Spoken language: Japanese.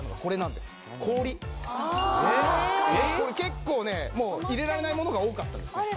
これ結構ね入れられないものが多かったですよ